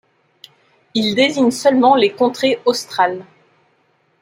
Il désigne seulement les contrées « australes.